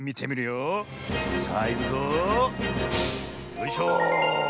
よいしょ。